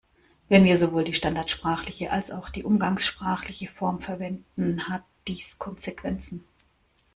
Wenn wir sowohl die standardsprachliche als auch die umgangssprachliche Form verwenden, hat dies Konsequenzen.